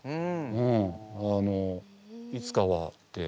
うんあのいつかはって。